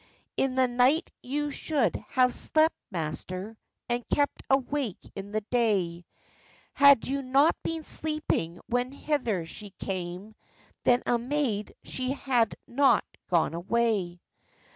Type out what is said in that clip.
In the night you should have slept, master, And kept awake in the day; Had you not been sleeping when hither she came, Then a maid she had not gone away.